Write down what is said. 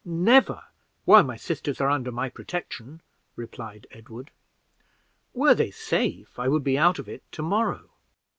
"Never, while my sisters are under my protection," replied Edward; "were they safe, I would be out of it to morrow."